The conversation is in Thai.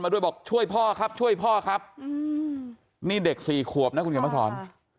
มาด้วยบอกช่วยพ่อครับช่วยพ่อครับนี่เด็ก๔ขวบนะคุณเกียรติภาษฐร